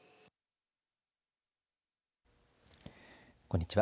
こんにちは。